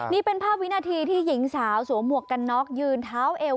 นี่เป็นภาพวินาทีที่หญิงสาวสวมหมวกกันน็อกยืนเท้าเอว